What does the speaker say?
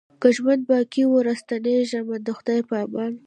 که ژوند باقي وو را ستنېږمه د خدای په امان